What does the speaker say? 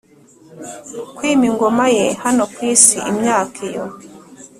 kwima ingoma ye hano ku isi imyaka iyo